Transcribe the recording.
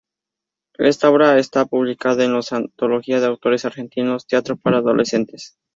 Esta obra está publicada en la Antología de Autores Argentinos, Teatro para Adolescentes.